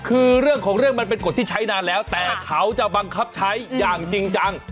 คือเรื่องของเรื่องมันเป็นกฎที่ใช้นานแล้วแต่เขาจะบังคับใช้อย่างจริงจัง